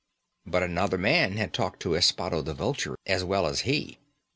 But another man had talked to Espado the Vulture as well as he.